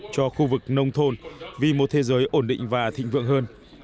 cho khu vực nông thôn vì một thế giới ổn định và thịnh vượng hơn